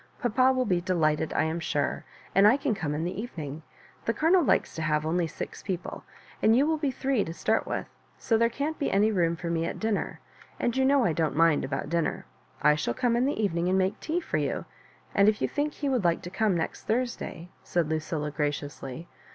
" Papa will be delighted, I am sure, and I can come in the evening. The Colonel likes to have only six people, and you will be three to start with, so there can't be any room for me at dinner; and you know I don't mind about dinner. I shall come in the evening and make tea for you — and if you think he would like to come next Thurs day —" said Lucilla, gp*aciously.